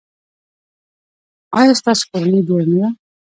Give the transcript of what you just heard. ایا ستاسو کورنۍ جوړه نه ده؟